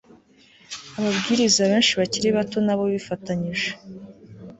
Ababwiriza benshi bakiri bato na bo bifatanyije